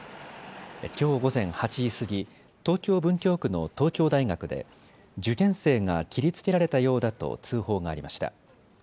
きょう午前８時過ぎ、東京文京区の東京大学で受験生が切りつけられたようだと通報がありました。